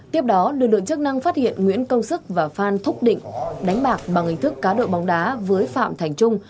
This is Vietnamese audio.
tiếp đó lực lượng chức năng phát hiện nguyễn công sức và phan thúc định đánh bạc bằng hình thức cá độ bóng đá với phạm thành trung